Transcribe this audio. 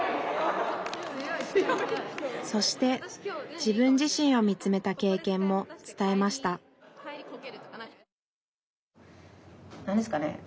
そして自分自身を見つめた経験も伝えました何ですかね